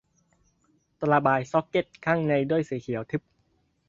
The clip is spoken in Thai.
ระบายซ็อกเก็ตข้างในด้วยสีเขียวทึบ